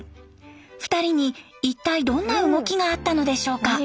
２人に一体どんな動きがあったのでしょうか？